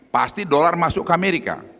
pasti dolar masuk ke amerika